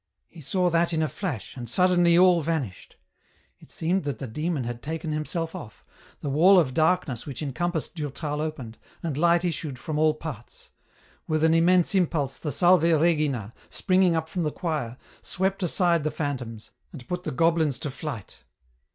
He saw that in a flash, and suddenly all vanished. It seemed that the Demon had taken himself off, the wall of dark ness which encompassed Durtal opened, and light issued from all parts ; with an immense impulse the " Salve Regina," springing up from the choir, swept aside the phantoms, and put the goblins to flight.